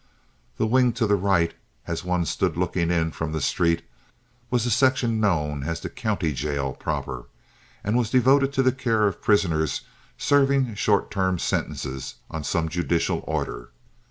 The wing to the right, as one stood looking in from the street, was the section known as the county jail proper, and was devoted to the care of prisoners serving short term sentences on some judicial order.